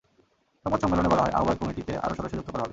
সংবাদ সম্মেলনে বলা হয়, আহ্বায়ক কমিটিতে আরও সদস্য যুক্ত করা হবে।